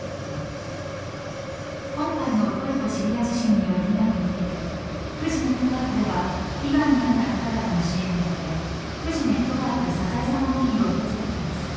今回のトルコ、シリア地震による被害を受けてフジネットワークでは被害に遭った方々の支援のためフジネットワークサザエさん募金を受け付けています。